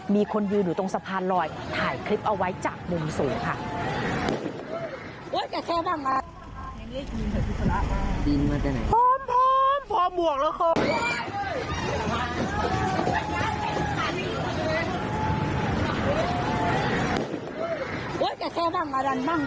มีคนยืนอยู่ตรงสะพานลอยถ่ายคลิปเอาไว้จากมุมสูงค่ะ